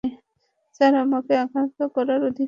Sir, আমাকে আঘাত করার অধিকার আপনার নেই।